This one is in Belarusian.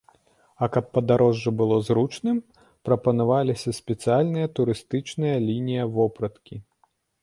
А каб падарожжа было зручным, прапанаваліся спецыяльная турыстычная лінія вопраткі.